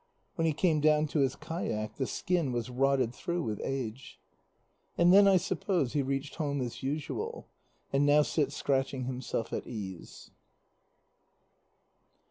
When he came down to his kayak, the skin was rotted through with age. And then I suppose he reached home as usual, and now sits scratching himself at ease.